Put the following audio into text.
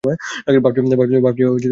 ভাবছি আমি কী করেছি।